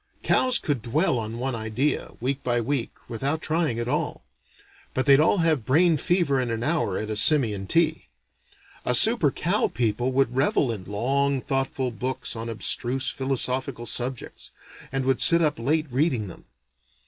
Cows could dwell on one idea, week by week, without trying at all; but they'd all have brain fever in an hour at a simian tea. A super cow people would revel in long thoughtful books on abstruse philosophical subjects, and would sit up late reading them.